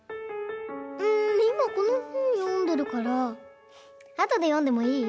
うんいまこのほんよんでるからあとでよんでもいい？